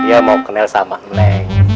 dia mau kenal sama neng